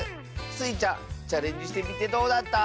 スイちゃんチャレンジしてみてどうだった？